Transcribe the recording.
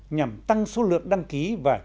nhằm tăng số lượng đăng ký